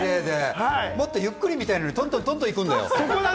もっとゆっくり見たいのに、どんどんどんどん行くんだよ。